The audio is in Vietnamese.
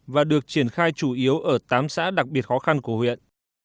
và được triển khai chủ yếu ở tám xã đặc biệt khó khăn của huyện